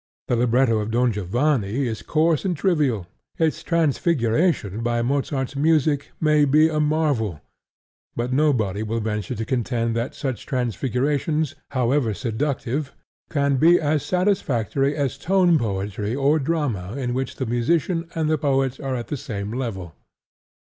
The libretto of Don Giovanni is coarse and trivial: its transfiguration by Mozart's music may be a marvel; but nobody will venture to contend that such transfigurations, however seductive, can be as satisfactory as tone poetry or drama in which the musician and the poet are at the same level.